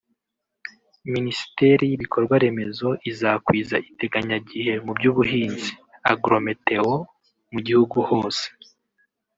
Minisiteri y’Ibikorwaremezo izakwiza iteganyagihe mu by’ubuhinzi (Agro-Meteo) mu gihugu hose